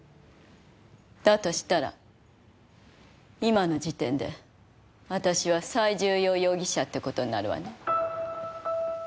だとしたら今の時点で私は最重要容疑者って事になるわね。